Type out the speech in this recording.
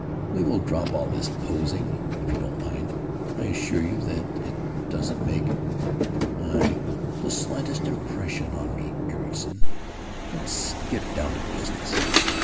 We will drop all this posing, if you don't mind. I assure you that it doesn't make——" "I——" "——the slightest impression on me, Ericson. Let's get right down to business.